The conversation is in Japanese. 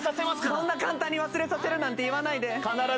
そんな簡単に忘れさせるなんて言わないで。